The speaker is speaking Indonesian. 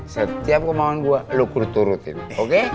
setiap kemauan gue lu kurut kurutin oke